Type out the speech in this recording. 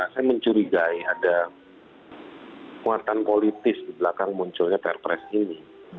saya mencurigai ada muatan politis di belakang munculnya perpres ini